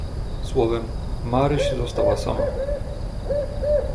"Słowem, Maryś została sama."